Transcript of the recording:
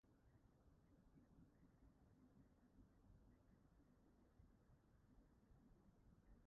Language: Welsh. Fodd bynnag, canlyniadau domestig gwael a arweiniodd at ei ymadawiad yn y pendraw.